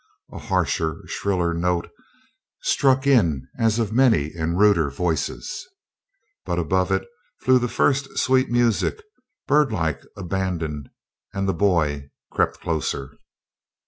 A harsher, shriller note struck in as of many and ruder voices; but above it flew the first sweet music, birdlike, abandoned, and the boy crept closer.